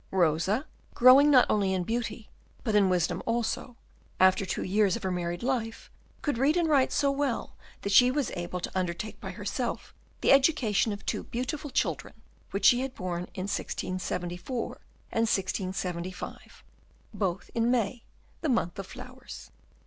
Rosa, growing not only in beauty, but in wisdom also, after two years of her married life, could read and write so well that she was able to undertake by herself the education of two beautiful children which she had borne in 1674 and 1675, both in May, the month of flowers.